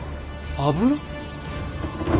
油？